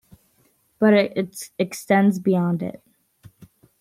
But, it extends beyond it.